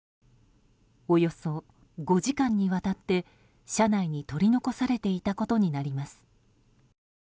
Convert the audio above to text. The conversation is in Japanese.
およそ５時間にわたって車内に取り残されていたことになります。